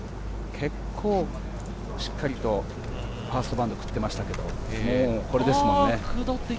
結構しっかりとファーストバウンド食っていましたけど、もうこれですもんね。